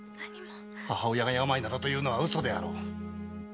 母親が病などと言うのは嘘であろう。